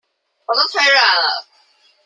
我都腿軟了